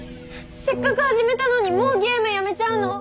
せっかく始めたのにもうゲームやめちゃうの？